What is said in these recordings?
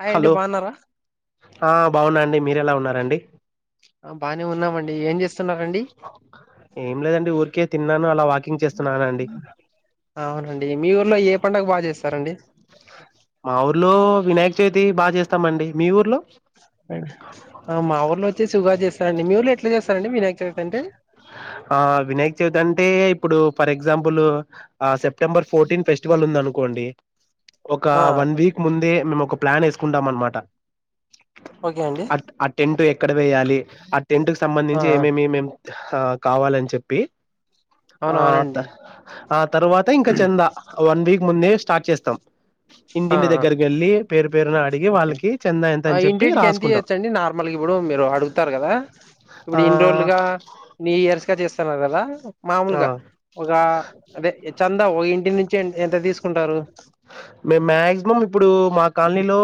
Hi అండి hello బాగున్నారా ఆ బాగున్నాండి మీరు ఎలా ఉ ఉన్నారండి ఆ బానే ఉన్నామండి ఏం చేస్తునరండి ఏం లేదండి ఊరికే తిన్నాను అలా వాకింగ్ చేస్తున్నానండి. అవునండి మీ ఊర్లో ఏ పండగ బాగ చేస్తారండి వస్తామండి మీ ఊర్లో మా ఊర్ళో వచ్చేసి [unintelligible] చేస్తారండి మీ ఊరులో ఎట్లా చేస్తారండి వినాయక చవితి అంటే ఆ వినాయక చవితి అంటే ఇప్పుడు ఫర్ ఎగ్జాంపుల్ ఆ సెప్టెంబర్ ఫోర్టీన్ ఫెస్టివల్ ఉంది అనుకో ఒక ఆ వన్ వీక్ ముందే మేము ఒక ప్లాన్ వేసుకుంటాం అనమాట ఓకే అండి ఆ ఆ టెంట్ ఎక్కడ వేయాలి ఆ టెంట్ క ఆ సంబంధించి ఆ ఏమేమి మేం ఆ కావాలని చెప్పి ఆ అవునవునండి ఆ తర్వాత ఇంకా చెంద వన్ వీక్ ముందే స్టార్ట్ చేస్తం ఆ ఇంటింటి ఆ దగ్గరికి వెళ్ళి పేరు పేరున అడిగి ఓకే వాళ్ళకి చెందా ఎంత ఆ అని చెప్పి ఇంటింటికి ఎంత రాసుకుంటాం ఇయొచ్చండి నార్మల్గా ఇప్పుడు మీరు అడుగుతారు కదా ఆ ఇప్పుడు ఇన్ని రోజులుగా నీ ఇయర్స్ గా చేస్తున్నారు కదా ఆ మామూలుగా ఒక అదే చంద ఒక ఇంటి నుంచి ఎంత తీసుకుంటారు మేము మాక్సిమం ఇప్పుడు మా కాలనీలో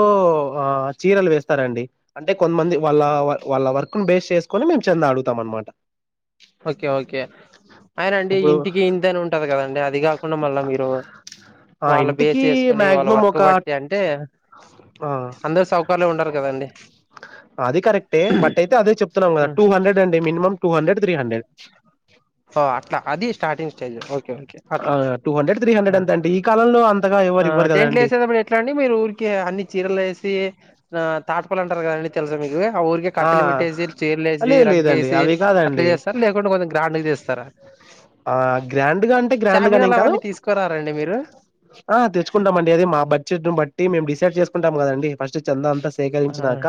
చీరలు వేస్తారంండి అంటే కొంతమంది వాళ్ళ వాళ్ళ వర్క్ ను బేస్ చేసుకొని మేము చెంద అడుగుతాం అనమాట ఓకే ఓకే అయిన అండి ఇప్పుడు ఇంటికి ఇంతని ఉంటది కదండి అది కాకుండా మళ్ళా మీరు ఆ ఇంటికి ేసుకుని వాళ్ళ మాక్సిమం వర్క్ ఒక బట్టి అంటే ఆ అందరు సౌకర్లు ఉండరు కదండి అది కరెక్టే బట్ అయితే అదే చెప్తున్నాం కదా టూ హండ్రెడ్ అండి minimum two hundred three hundred [inaudible] అట్లా అది స్టార్టింగ్ స్టేజ్ ఓకే ఓకే అట్ల ఆ టూ హండ్రెడ్ త్రీ హండ్రెడ్ ఎంత అంటే ఈ కాలంలో అంతగా ఆ ఎవరు ఇవ్వరు టెంట్లు కదండి వేసేటప్పుడు ఎట్లా అండి మీరు ఊరికి అన్ని చీరలు వేసి నా తాట్పల్ అంటారు కద తెలస మీకు ఆ ఊరికి ఆ కట్టలు పెట్టేసి చీరలు వేసి లేదు లేదండి రగ్గేసి అవి అట్లా కాదండి చేస్తారు లేకుంటే కొంచెం గ్రాండ్ చేస్తారు ఆ గ్రాండ్గా అంటే గ్రాండ్గానేం చామినాలు కాదు అవన్నీ తీసుకురారండి మీరు ఆ తెచ్చుకుంటామండి అది మా బడ్జెట్ ను బట్టి మేము డిసైడ్ చేసుకుంటాం కదండి ఫస్ట్ చంద అంతా ఆ సేకరించినాక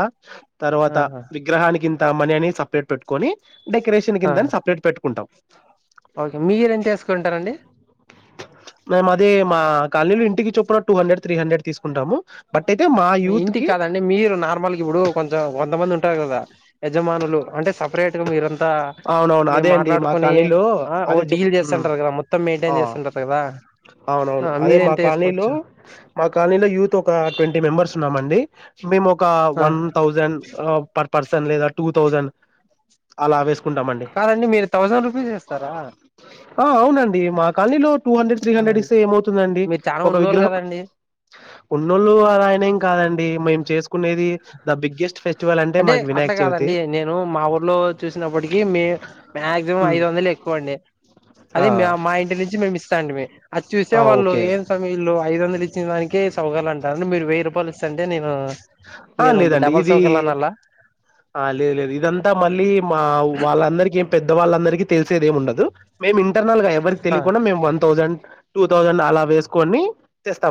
ఆ తర్వాత విగ్రహానికి ఇంత మనీ అని సపరేట్ పెట్టుకొని డెకరేషన్ ఆ కింతని సపరేట్ పెట్టుకుంటాం ఓకే మీరెంత వేసుకుంటారండి మేము అదే మా కాలనీలు ఇంటికి చొప్పున టూ హండ్రెడ్ త్రీ హండ్రెడ్ తీసుకుంటాము బట్ అయితే మా యూత్ ఇంటికి కి కాదండి మీరు నార్మల్కి ఇప్పుడు కొంచెం కొంతమంది ఉంటారు కదా యజమానులు అంటే సపరేట్ గా మీరంతా అవునవును మేము అదే అండి మా మాట్లాడుకుని కాలనీలో ఆ ఓ అదే చెప్ డీల్ మ్ చేస్తుంటారు కదా మొత్తం ఆ మెయింటైన్ చేస్తుంటారు కదా అవునవును ఆ అదే మా మీరెంత కాలనీలో వేసుకోవచ్చు మా కాలనీలో యూత్ ఒక ట్వంటీ మె మెంబర్స్ ఉన్నాండి మేము ఒక ఆ వన్ థౌసండ్ పర్ పర్సన్ లేద టూ థౌజండ్ అలావేస్ కాదండి మీరు థౌసండ్ రూపీస్ ఇస్తారా ఆ అవునండి మా కాలనీలో టూ హండ్రెడ్ త్రీ హండ్రెడ్ అవునండి ఇస్తే ఏమవుతుందండి మీరు చాలా ఒక ఉన్నోళ్ళు విగ్రహం కదండి ఉన్నోళ్ళు అలాయనేం కాదండి మేము చేసుకు కునేది ద బిగ్గెస్ట్ ఫెస్టివల్ అంటే మా అట్లా వినాయక చవితి కాదండి నేను మా ఊర్లో చూసినప్పటికి మాక్సిమం ఉమ్ ఐదు వందలు ఎక్కువండి ఆ అది మా మా ఇంటి నుంచి మేము ఇస్తా అండి అది చూసే ఆ వాళ్ళు ఓకే ఏం సము ఐదు వందలు ఇచ్చిన దానికి సౌగాలు అంటారుడి మీరు వెయ్యి రూపాయలు ఇస్తంటే నేను ఆ మీరు లేదండి డబల్ ఇది సోకిల్ అనలా ఆ లేదు లేదు ఇదంతా మళ్ళీ మా వాళ్ళందరిక పెద్దవాళ్ళందరిక తెలిసేది ఏమి ఉండదు మే ఇంటర్ ఎవరి తెలియకుం డ ఒన్ థౌసండ్ టూ థౌసండ్ అలా వేసుకుని తెస్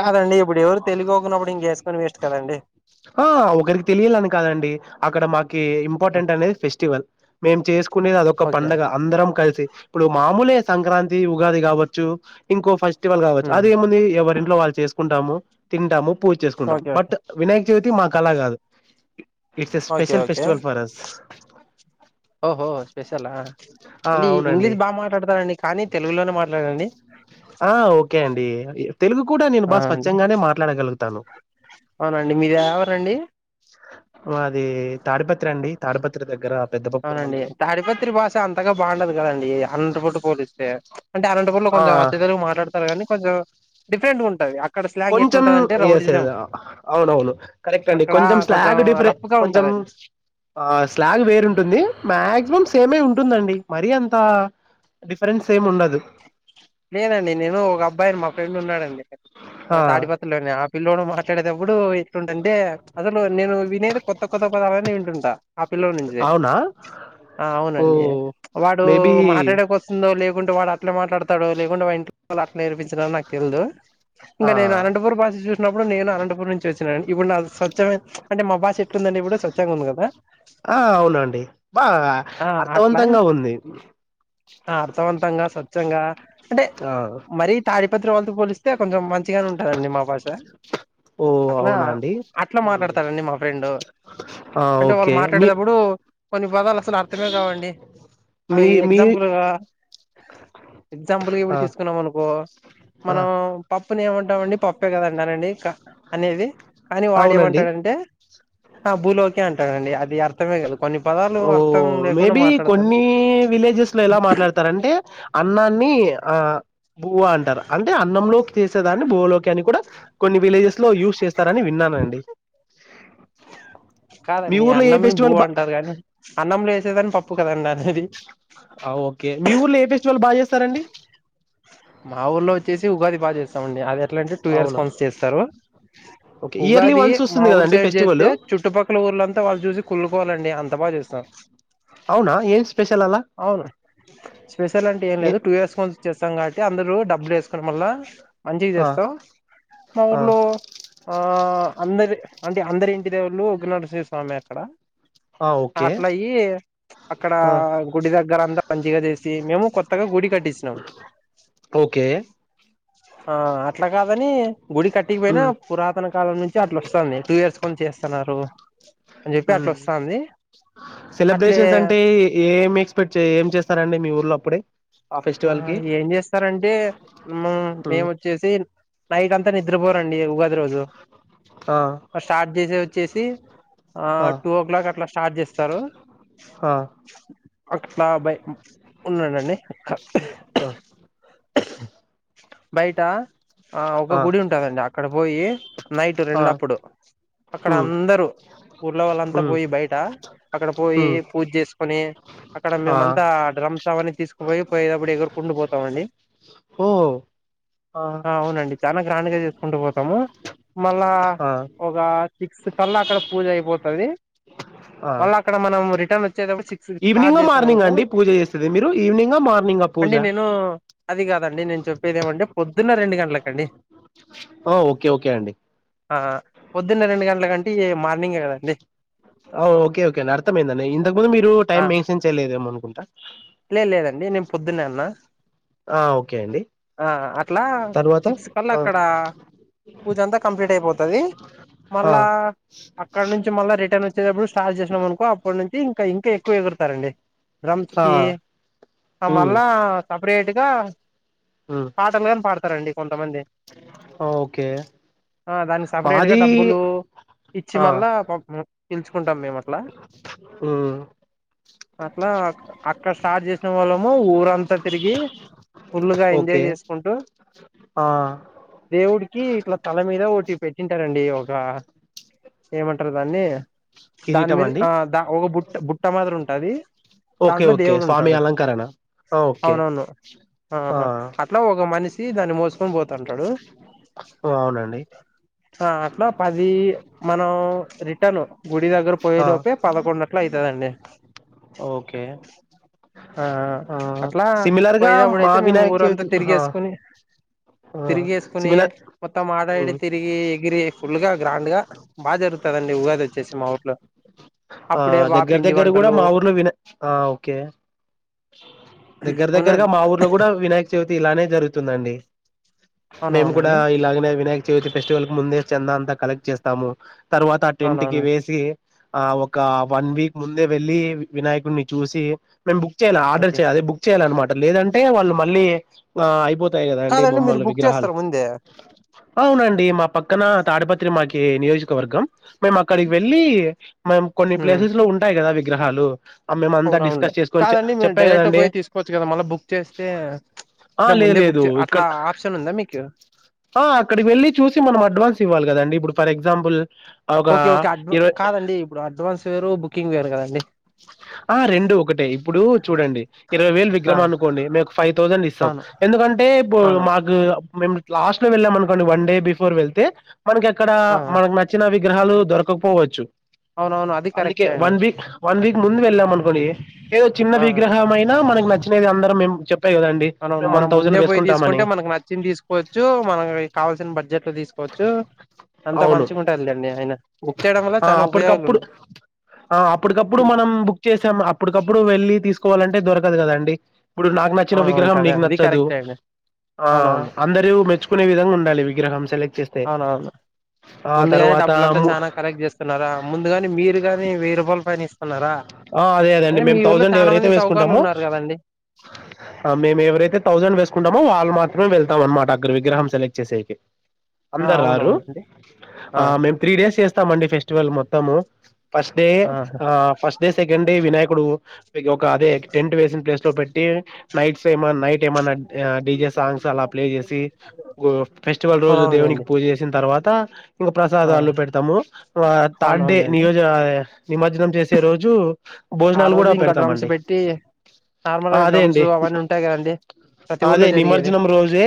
కాదండి ఇప్పుడు ఎవరు తెలుగుకున్నప్పుడు ఇంక వేసుకొని వేస్ట్ కదండి ఆ ఒకరికి తెలియాలని కాదండి అక్కడ మాకి ఇంపార్టెంట్ అనేది ఫెస్టివల్ మేము చే కునేది అదొక ఓకే ఓకే పండగ అందరం క ఇప్పుడు మామలే సంక్రాంతి ఉగాది కావచ్చు ఇంకో ఫస్ట్ ఇటీవలు కావచ్చు ఉమ్ అదిేముంది ఎవరింట్లో వాళ్ళు చేసుకుంటాము తంటాము పూజ చేసుకుంటాము ఓకే బట్ వినాయక చవితి మాకు అలా కాదు it's a okay special okay festival for us ఓహో స్పెషల్ ఆ అండి అవునండి ఇంగ్లీష్ బాగా మాట్లాడతార అండి కానీ తెలుగులోనే మాట్లాడండి ఆ ఓకే అండి తెలుగు కూడా నేను ఆ బాగా అండి స్వచ్ఛంగానే మాట్లాడగలుగుతాను అవునండి మీరు ఎ ఊరండి అది తాడిపత్రి అండి తాడిపత్రి దగ్గర పెద్దపప్పూరు అవునండి మండలం తాడిపత్రి భాష అంతగా బాగుండదు కదండి అండ పుట్టు పోలిస్తే అంటే అనంటపూర్లో ఆ కొంచెం అతిథులు మాట్లాడతారు కానీ కొంచెం డిఫరెంట్గా ఉంటది. అక్కడ స్లాంగ్ కొంచెం ఎట్లుంటదంటే ఎ రౌడిజం అవునవును కరెక్ట్ అండి అక్కడ కొంచెం స్లాగ్ డిఫెరె రఫ్ గా కొంచెం ఉంటదండి ఆ స్లాగ్ వేరు ఉంటుంది. మాక్సిమం సేమే ఉంటుందండి. మరీ అంత డిఫరెన్స్ సేమ్ ఉండదు. లేనండి నేను ఒక అబ్బాయిని మా ఫ్రెండ్ ఉన్నాడండి ఆ తాడిపత్రలోనే వీల్లోన మాట్లాడేటప్పుడు ఎట్ంటంటే అసలు నేను వినేది కొత్త కొత్త పదాలని వింటుంటా. ఆ పిల్లోనుంచి ఏ అవునా ఆ ఓ అవునండి వాడు మేబి మాట్లాడేక వస్తుందో లేకుంటే వాడు అట్లా మాట్లాడతాడో లేకుండా వాంటి వాళ్ళు అట్లా నేర్పించిరో నాకు తెలుదు. ఆ ఇంకా నేను అనంతపూర్ భాష చూసినప్పుడు, నేను అనంతపూర్ నుంచి వచ్చినాను. ఇప్పుడు నా స్వచ్మే అంటే మా భాష ఎట్లుంద అంటే ఇపుడు స్వచ్ఛంగ ఉంది కదా ఆ అవునండి బా ఆ అట్లా అర్థవంతంగా ఉంది ఆ అర్థవంతంగా స్వచ్ఛంగా అంటే ఆ మరీ తాడిపత్రి వాళ్ళతో పోలిస్తే కొంచెం మంచిగానే ఉంటదండి మా భాష. ఓ అట్లా అవునా అండి అట్ల హ్మ్. మాట్లాడతారండి మా ఫ్రెండు ఆ అంటే వాళ్ళు ఓకే మీ మాట్లాడేదప్పుడు కొన్ని పదాలు అసలు అర్థమే కావండి మీ అవి మీ ఎగ్జాంపుల్గా ఎగ్జాంపుల్ గా ఇప్పుడు ఆ తీసుకున్నాం అనుకో ఆ మనం పప్పుని ఏమంటామండి పప్పే కద అనండి అనేది కానీ వాడ అవునండి ఏమంటాడంటే ఆ భూలోకే అంటాడండి. అది అర్థమే కాదు కొన్ని పదాలు ఓ అర్థం లేకుండా మేబి మాట్లాడతాడు. కొన్ని విలేజెస్ లో ఎలా మాట్లాడతారంటే అన్నాన్ని ఆ బువ్వ అంటారు అంటే అన్నంలోకి చేసేదాన్ని బువలోకి అని కూడా కొన్ని విలేజెస్ లో యూస్ చేస్తారని విన్నానండి. మీ కాదండి ఊర్లో ఏ అన్నంని భూ ఫెస్టివల్ బా అంటారు కానీ, అన్నం లే వేసేదాన్ని పప్పు కదండి అనేది. ఆ ఓకే మీ ఊర్లో ఏ ఫెస్టివల్ బాగా చేస్తారండి. మా ఊర్లో వచ్చేసి ఉగాది బాగా చేస్తామండి. అది ఎట్లాంటే టూ ఇయర్స్ అవునా కొంత చేస్తారు. ఓకే ఇయర్లీ ఉగాది వన్స్ మా వస్తుంది ఊరు కదండి సైడ్ చేస్తే ఫెస్టివల్ చుట్టుపక్కల ఊర్లంతా వాళ్ళు చూసి కుళ్లుకోవాలండి. అంత బాగా చేస్ స అవునా ఏం స్పెషల్ అలా అవును స్పెషల్ అంటే ఏం ఏ లేదు టూ ఇయర్స్ ముందు చేస్తాం కాబట్టి అ అందరు డబ్బులు వేసుకోడం వల్ల మంచి ఆ చేస్తావు మా ఆ ఊర్లో ఆ ఆ అందరి అంటే అందరి ఇంటి దేవుళ్ళు ఉగ్రనరసింహస్వామి ఏ అంటా హ అట్లయి అక్కడ గుడి దగ్గర అంతా మంచిగా చేసి మేము కొత్తగా గుడి కట్టిసినాం. ఓకే ఆ అట్లా కాదని గుడి కట్టికపోయినా ఉమ్ పురాతన కాలం నుంచి అట్లా వస్తాంది. టూ ఇయర్స్ కొని చేస్తున్నారు. అని చెప్పి ఉమ్ అట్లా వస్తాంది. అట్లే సెలబ్రేషన్స్ అంటే ఏం ఎక్స్పెక్ట్ ఏం చేస్తారండి మీ ఊర్లో అప్పుడే ఆ ఫెస్టివల్ కి ఏం చేస్తారంటే ఉమ్ మేమువచ్చేసి నైట్ అంతా నిద్రపోరండి ఉగాది రోజు ఆ స్టార్ట్ చేసే వచ్చేసి ఆ టూ ఓ క్లాక్ అట్లా స్టార్ట్ చేస్తారు. ఆ ఆ అట్లా బై ఉన్నానండి అ బయటా ఆ ఒక గుడి ఉంటదండి. అక్కడ పోయి నైట్ ఆ రెండప్పుడు అక్కడ ఉమ్ అందరూ ఊళ్ళో వాళ్ళంతా ఉమ్ పోయి బయట అక్కడ పోయి ఉమ్ పూజ చేసుకొని అక్కడ ఆ మేమంతా డ్రమ్స్ అవన్నీ తీసుకుపోయి పోయేటప్పుడు ఎగురుకుంటు పోతామండి. ఓ ఆ అవునండి చాలా గ్రాండ్ గా చేసుకుంటూ పోతాము. మళ్ళా ఆ ఒక సిక్స్ కళ్ళ అక్కడ పూజ అయిపోతది ఆ మళ్ళ అక్కడ మనం రి ఈవినింగ్ ఆ మార్నింగ్ ఆ అండి పూజ చేసేది మీరు ఈవినింగ్ ఆ మ మార్నింగ్ పూజ అండి నేను అది కాదండి నేను చెప్పేదేమంటే పొద్దున రెండు గంట్లకండి ఆ ఓకే ఓకే అండి ఆ పోద్దున్నే రెండు గంటల కంటే మార్నింగే కదండి అంతకుముందు మీరు టైం మెన్షన్ చేయలేదేమో అనుకుంటా లేదు లేదండి నేను పొద్దున్నే అన్నా ఆ ఓకే అండి ఆ అట్లా తర్వాత సిక్స్ కళ్ల ఆ అక్కడ పూజ అంతా కంప్లీట్ అయిపోతది ఆ మళ్ళా అక్కడ నుంచి మళ్ళా రిటర్న్ వచ్చేటప్పుడు స్టార్ట్ చేసినం అనుకో అప్పడు నుంచి ఇంకా ఇంకా ఎక్కువ ఎగురతారండి ఆ ఈ ఉమ్ మళ్ల సపరేట్గా ఉమ్ పాటలు గూడా పాడు ఓకే ఆ దానికి సపరేట్ గా మాది డబ్బులు ఇచ్చి ఆ మళ్ళ పిల్చుకుంటాం మేము అట్లా ఊ అట్లా అక్కడ స్టార్ట్ చేసిన వాళ్ళమో ఊరంతా తిరిగి ఫుల్లు గా ఓకే ఎంజాయ్ చేసుకుంటూ ఆ కి ఇట్లా తల మీద ఒకటి పెట్టింటారండి ఒక ఏమంటారు దాన్ని దాని కిరీటం మీద అండి ఆ దా ఒక బుట్ట బుట్ట మాదిరి ఉంటది ఓకే దాంట్లో ఓకే దేవుడు స్వామి ఉంటాడు అలంకరణ ఆ, ఓకే అవునవును ఆ హ అట్లా ఒక మనిషి దాన్ని మోసుకొని పోతుంటాడు ఆ అవునండి ఆ అట్లా పది మనం రిటర్న్ గుడి దగ్గర పోయే ఆ లోపే పదకొండు అట్ల అయితదండి లే ఓకే ఆ ఆ అట్లా సిమిలర్ గా పోయేటప్పుడు మా అయితే మేము వినాయక ఊరంతా చవితి ఆ తిరిగేసుకుని ఆ తిరిగి యేస్కుని సిమిలర్ మొత్తం అడా ఈడ హ్మ్. తిరిగి ఇది ఫుల్ గా గ్రాండ్ గా బాగా జరుగుతదండి ఉగాది వచ్చేసి మా ఊర్లో ఆ అప్పుడే బా దగ్గర పిండి దగ్గర కూడా వంటలు మా ఊర్లో విన ఆ ఓకే దగ్గర దగ్గరగా అవునండి మా ఊర్లో కూడా వినాయక చవితి ఇలానే జరుగుతుందండి మేము కూడా అవునవునండి ఇలాగనే వినాయక చవితి ఫెస్టివల్ కి ముందే చందా అంతా కలెక్ట్ చేస్తాము తర్వాత టెంట్ కి అవునవును వేసి ఆ ఒక వన్ వీక్ ముందే వెళ్ళి వినాయకుడిని చూసి మేము బుక్ చేయాల ఆర్డర్ ఓకే చేయా అదే బుక్ చేయాలన్నమాట లేదంటే వాళ్ళు మళ్ళీ ఆ అయిపో తాయి కదా అండి కాదండి మీరు బొమ్మలు బుక్ విగ్రహాలు చేస్తారా ముందే అవునండి మా పక్క పక్కన తాడపత్రి మాకి నియోజకవర్గం మేము అక్కడికి వెళ్ళి మేము కొన్ని ఉమ్ ప్లేసెస్ లో ఉంటాయి కదా విగ్రహాలు ఆ మేము అంత డిస్కస్ చేసుకొని చే డి మేము డైరెక్ట్ పోయి తీసుకోవచ్చు కదా మళ్ల బుక్ చేస్తే ఆ! అంటే లేదు ముందే బుక్ లేదు చే ఇక్కడ అట్లా ఆప్షన్ ఉందా మీకు ఆ అక్కడి వెళ్లి చూసి మనం అడ్వాన్స్ ఇవ్వాలి కదండి ఇప్పుడు ఫర్ ఎగ్జాంపుల్ ఒక ఓకే ఓకే అడ్వా ఇరవై కాదండి ఇప్పుడు అడ్వాన్స్ వేరు బుకింగ్ వేరు కదండి ఆ రెండు ఒకటే ఇప్పుడు చూడండి ఇరవై వేలు ఆ విగ్రహం అనుకోండి మేము ఒక ఫైవ్ థౌజండ్ ఇస్తాం అవును ఎందుకంటే అవును [unintelligible] మాకు మేము లాస్ట్ లో వెళ్ళామనుకోండి వన్ డే బిఫోర్ వెళ్తే మనకి అక్కడ ఆ మనకు నచ్చినవి విగ్రహాలు దొరకకపోవచ్చు అవునవును అది అందుకే కరెక్టే అండి వన్ వీక్ వన్ వీక్ ముందు వెళ్ళామనుకోండి ఏదో చిన్న ఆ విగ్రహం అయినా మనకు నచ్చినది అందరం మేము చె మనం మనం ముందే పోయి తీసుకుంటే మనకు నచ్చింది తీసుకోవచ్చు మనకి కావాల్సిన బడ్జెట్ ఇట్ తీసుకోవచ్చు అంత అవును పంచుకుంటా లేదండి ఆయన బుక్ చేయడం వల్ల ఆ చాలా ఉపయోగాలు అప్పటికప్పుడు ఉన్నాయి ఆ అప్పటికప్పుడు మనం బుక్ చేసాం అప్పటికప్పుడు వెళ్ళి తీసుకోవాలంటే దొరకదు కదండి ఇప్పుడు నాకు నచ్చిన అవునవును విగ్రహం కదా నీకు అది నచ్చదు కరెక్టే అండి ఆ అవునవును అందర మెచ్చుకునే విధంగా ఉండాలి విగ్రహం సెలెక్ట్ చేస్త అవునవును ఆ తర్వాత కరెక్ట్ చేస్తున్నారా ముందుగాని మీరుగాని వెయ్యి రూపాయల పైన ఇస్త న్నారా ఆ అదే అదండి రే మీ మేము ఊర్లో థౌజండ్ చాలా మంది ఎవరైతే సౌకర్లు వేసుకుంటామో ఉన్నారు కదండి మేము ఎవరైతే థౌసండ్ వేసుకుంటామో వాళ్ళు మాత్ర మాత్రమే వెళ్తాం అన్నమాట అగ విగ్రహం సెక్ట్ చేసే కి ఆ అందరు రారు అవునవునండి ఆ మేము త్రీ డేస్ చేస్త స్తామండి ఫెస్టివల్ మొత్తము ఫస్ట్ డే ఆ ఫస్ట్ డే సెకండ్ డే వినాయకుడు ఒక అదే టెంట్ వేసిన ప్లేస్ లో పెట్టి నైట్స్ ఏ నైట్ ఏమన్నా డీజే సాంగ్స్ అలా ప్లే చేసి ఫెస్టివల్ రోజు దేవునికి అవునవునులేండి పూజ చేసిన తర్వాత ఇంకా ఆ ప్రసాదాలు పెడతాము థర్డ్ డే అవునవునులేండి నియోజన నిమజ్జనం చేసే రోజు ఆ భోజనాలు రోజు కూడా ఇంకా డ్రమ్స్ పెడతామండి పెట్టి ఆ నార్మల్గా అదే డ్రమ్స్ అండి అవన్నీ ఉంటాయి కాదండి అదే నిమజ్జనం రోజే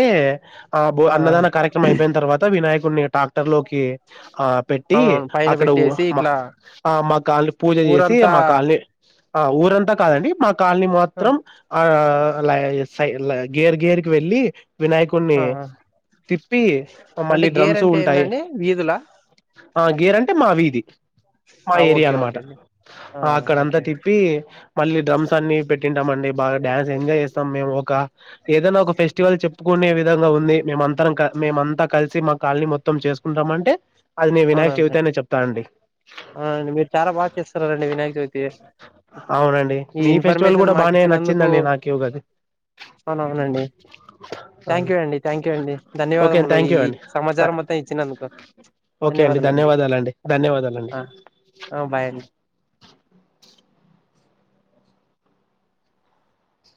ఆ అన్నదాన కార్యక్రమం అయిపోయిన తర్వాత వినాయక కొన్ని ట్రాక్టర్ లోకి ఆ పెట్టి అవునవును పైన అక్కడ పెట్టేసి ఇట్లా మా కా చేసి ఊరంతా మాకుని ఊరంతా కాదండి మా కాలనీ ఆ మాత్రం ఆ లీన్ గేర్ గేర్ కీ వెళ్ళి వినాయకుడిని ఆ ఆ! తిప్పి అంటే మళ్ళీ గేర్ డ్రమ్స్ అంటే ఉంటాయి ఏందండి వీధులా ఆ గేర్ అంటే మా వీది మా ఏరియా అనమాట అ అక్కడంతా తిప్పి మళ్ళీ డ్రమ్స్ అన్ని పెట్టింటాం అండి బాగా డాయాన్స్ ఎంజాయ్ చేస్తాం మేము ఒక ఏదైనా ఒక ఫెస్టివల్ చెప్పుకునే విధంగా ఉంది మేమంతరం మేమంతా కలిసి మా కాలనీ మొత్తం చేసుకుంటాం అంటే అది నేను వినాయక అవునండి చవితి అని చెప్తానండి మీరు చాలా బాగా అవునండి వినాయక చవితి అవునండి ఈ మీ ఫెస్టివల్ ఇన్ఫర్మేషన్ కూడా బానే నచ్చిందండి నాకు గది అవును అవునండి థ్యాంక్ యూ అండి థ్యాంక్ యూ అండి ఓకే అండి ధన్యవాదములు థ్యాంక్ ఈ యూ అండి సమాచారం మొత్తం ఇచ్చినందుకు ఓకే అండి ధన్యవాదాలండి ధన్యవాదాల అండి ధన్యవాదాలు ఆ ఆ భాయ్ అండి